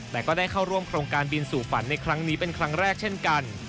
แต่ก็ได้เข้าร่วมโครงการบินสู่ฝันในครั้งนี้เป็นครั้งแรกเช่นกัน